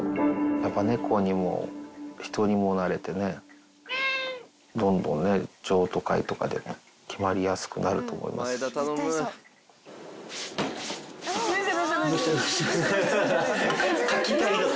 やっぱり猫にも人にもなれてね、どんどんね、譲渡会とかでも決まりやすくなると思いますし。